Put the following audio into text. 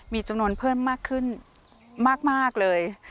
มีจำนวนเพิ่มมากขึ้นมากเลย